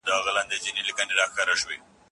دوی په هره جګړه کي بريالي کېدل.